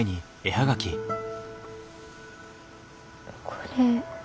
これ。